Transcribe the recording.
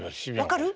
分かる？